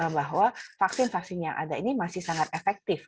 bahwa vaksin vaksin yang ada ini masih sangat efektif